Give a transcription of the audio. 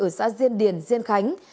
ở xã diên điển diên khánh